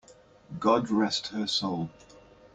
God rest her soul!